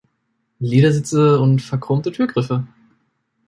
Ledersitze und verchromte Türgriffe.